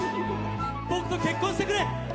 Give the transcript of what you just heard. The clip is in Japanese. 僕と結婚してくれ！